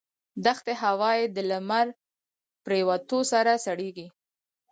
دښتي هوا یې د لمر پرېوتو سره سړېږي.